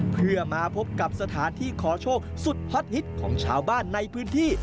เพื่อมาพบกับสถานที่ขอโชคสุดฮอตฮิตของชาวบ้านในพื้นที่